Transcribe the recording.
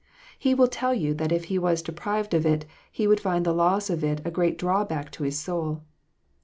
He will tell you that if he was deprived of it, he would find the loss of it a great drawback to his soul.